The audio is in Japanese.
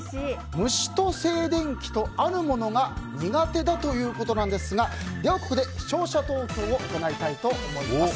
虫と静電気と、あるものが苦手だということですがここで、視聴者投票を行いたいと思います。